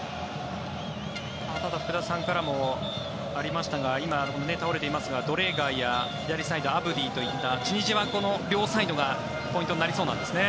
ただ、福田さんからもありましたが今、倒れていますがドレーガーや左サイド、アブディといったチュニジアは両サイドがポイントになりそうなんですね。